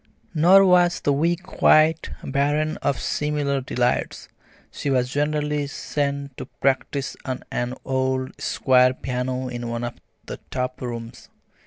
Nor was the week quite barren of similar delights. She was generally sent to practise on an old square piano in one of the top rooms.